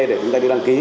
để chúng ta đi đăng ký